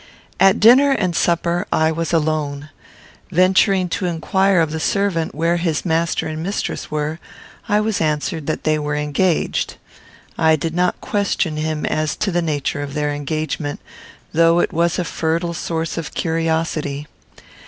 At dinner and supper I was alone. Venturing to inquire of the servant where his master and mistress were, I was answered that they were engaged. I did not question him as to the nature of their engagement, though it was a fertile source of curiosity.